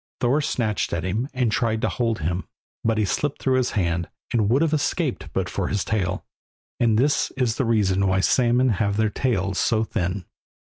Thor snatched at him, and tried to hold him, but he slipped through his hand, and would have escaped, but for his tail, and this is the reason why salmon have their tails so thin.